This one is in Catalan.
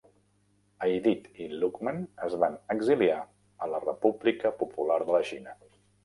Aidit i Lukman es van exiliar a la República Popular de la Xina.